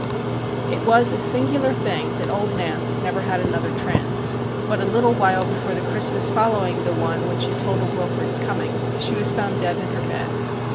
It was a singular thing that old Nance never had another trance. But a little while before the Christmas following the one when she told of Wilfrid's coming, she was found dead in her bed.